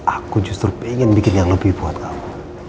aku justru ingin bikin yang lebih buat kamu